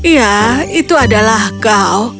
ya itu adalah kau